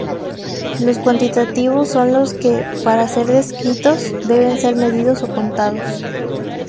Los cuantitativos son los que, para ser descritos, deben ser medidos o contados.